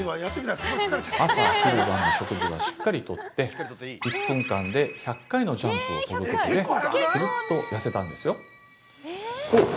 ◆朝昼晩の食事はしっかりとって１分間で１００回のジャンプををすることでするっと痩せたんですよ。